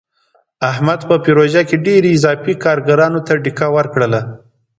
احمد په پروژه کې ډېرو اضافي کارګرانو ته ډیکه ورکړله.